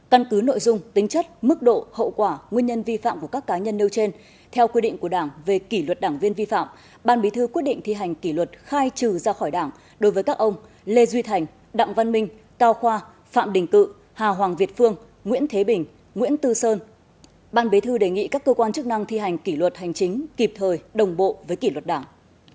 căn cứ nội dung tính chất mức độ hậu quả nguyên nhân vi phạm của các cá nhân nêu trên theo quy định của đảng về kỷ luật đảng viên vi phạm ban bí thư quyết định thi hành kỷ luật khai trừ ra khỏi đảng đối với các ông lê duy thành đặng văn minh cao khoa phạm đình cự hà hoàng việt phương nguyễn thế bình nguyễn tư sơn ban bí thư đề nghị các cơ quan chức năng thi hành kỷ luật hành chính kịp thời đồng bộ với kỷ luật đảng